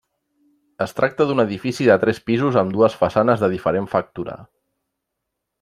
Es tracta d'un edifici de tres pisos amb dues façanes de diferent factura.